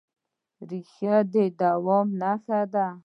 ریښه د دوام نښه ده.